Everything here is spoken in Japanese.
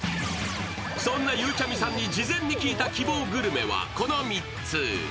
そんなゆうちゃみさんに事前に聞いた希望グルメはこの３つ。